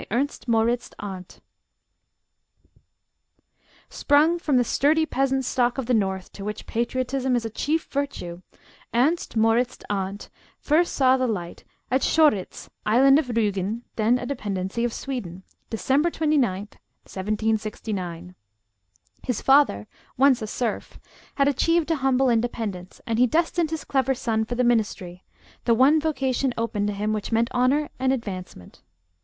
ERNST MORITZ ARNDT (1769 1860) Sprung from the sturdy peasant stock of the north, to which patriotism is a chief virtue, Ernst Moritz Arndt first saw the light at Schoritz, Island of Rügen (then a dependency of Sweden), December 29th, 1769. His father, once a serf, had achieved a humble independence, and he destined his clever son for the ministry, the one vocation open to him which meant honor and advancement.